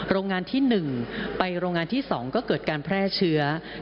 โรงงานที่๑ไปโรงงานที่๒ก็เกิดการแพร่เชื้อ